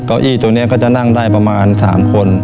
เก้าอี้ตัวนี้ก็จะนั่งได้ประมาณ๓คน